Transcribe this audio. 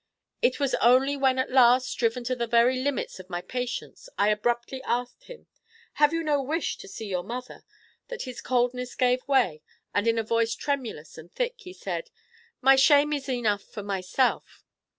It was only when at last, driven to the very limits of my patience, I abruptly asked him, 'Have you no wish to see your mother?' that his coldness gave way, and, in a voice tremulous and thick, he said, 'My shame is enough for myself.'